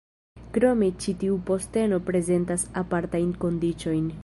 Krome ĉi tiu posteno prezentas apartajn kondiĉojn.